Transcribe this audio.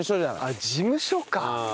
あっ事務所か。